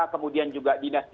kemudian juga diselenggaranya